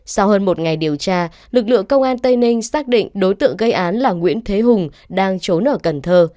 sau hơn một ngày điều tra lực lượng công an tây ninh xác định đối tượng gây án là nguyễn thế hùng đang trốn ở cần thơ